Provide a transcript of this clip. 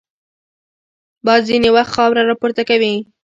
باد ځینې وخت خاوره راپورته کوي